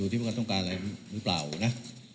ดูที่พ่อกันต้องการอะไรหรือเปล่านะ